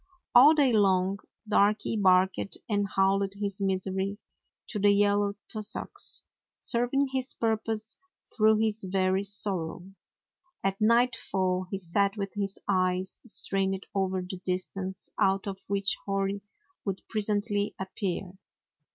All day long Darky barked and howled his misery to the yellow tussocks, serv ing his purpose through his very sorrow. At nightfall he sat with his eyes strained over the distance out of which Hori would pres ently appear.